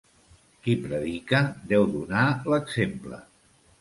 Qui predica, deu donar l'exemple.